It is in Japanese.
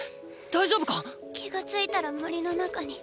⁉大丈夫か⁉気が付いたら森の中に。